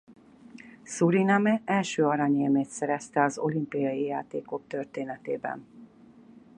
Suriname első aranyérmét szerezte az olimpiai játékok történetében.